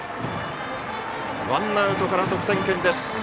ワンアウトから得点圏です。